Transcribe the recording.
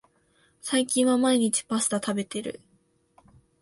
最近は毎日パスタ食べてる